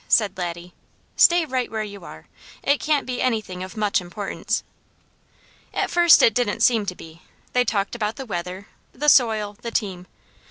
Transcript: said Laddie. "Stay right where you are. It can't be anything of much importance." At first it didn't seem to be. They talked about the weather, the soil, the team.